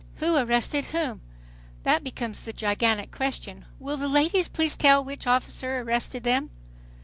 Who arrested whom? That becomes the gigantic question. "Will the ladies please tell which officer arrested them?"